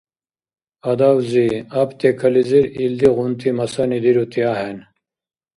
Адавзи, аптекализир илдигъунти масани дирути ахӀен.